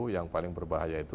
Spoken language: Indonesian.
yang paling berbahaya itu